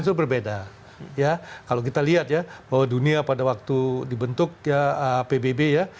sudah berbeda kalau kita lihat ya bahwa dunia pada waktu dibentuk pbb ya